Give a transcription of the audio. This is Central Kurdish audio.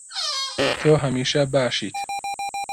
تۆ هەمیشە باشیت.